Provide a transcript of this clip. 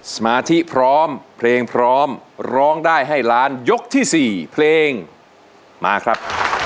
สมาธิพร้อมเพลงพร้อมร้องได้ให้ล้านยกที่๔เพลงมาครับ